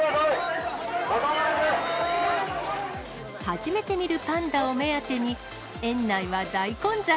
初めて見るパンダを目当てに、園内は大混雑。